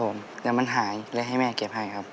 ตัวเลือดที่๓ม้าลายกับนกแก้วมาคอ